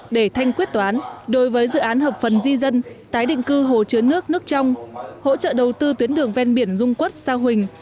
để thanh quyết toán đối với dự án hợp phần di dân tái định cư hồ chứa nước nước trong hỗ trợ đầu tư tuyến đường ven biển dung quốc sa huỳnh